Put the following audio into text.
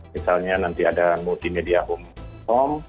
misalnya nanti ada multimedia home